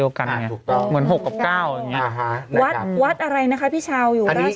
โอเคโอเคโอเค